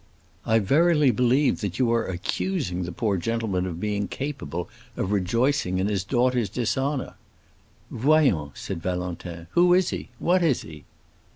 "I verily believe that you are accusing the poor gentleman of being capable of rejoicing in his daughter's dishonor." "Voyons!" said Valentin; "who is he? what is he?"